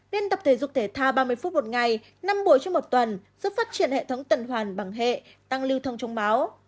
biên tập thể dục thể thao ba mươi phút một ngày năm buổi trong một tuần giúp phát triển hệ thống tần hoàn bằng hệ tăng lưu thông trong máu